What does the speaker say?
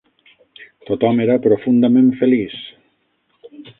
Tothom era profundament feliç